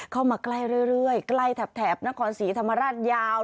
เข้ามาใกล้เรื่อยใกล้แถบนครศรีธรรมราชยาว